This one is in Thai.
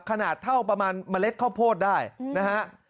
ขนาดเท่าประมาณเมล็ดข้าวโพดได้นะฮะ